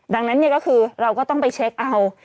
ดังนั้นเราก็ต้องจะไปเช็กเอา